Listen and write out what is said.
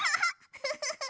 フフフッ。